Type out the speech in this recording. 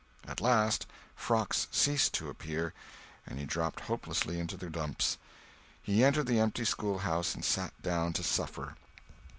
At last frocks ceased to appear, and he dropped hopelessly into the dumps; he entered the empty schoolhouse and sat down to suffer.